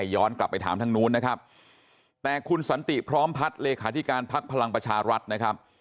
จากเศรษฐการพักพลังประชารัฐนะครับ